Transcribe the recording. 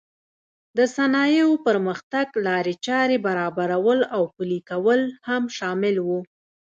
د صنایعو پرمختګ لارې چارې برابرول او پلې کول هم شامل و.